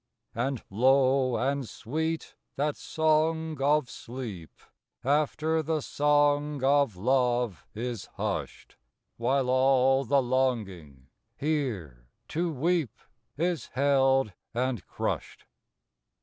And low and sweet that song of sleep After the song of love is hushed; While all the longing, here, to weep, Is held and crushed.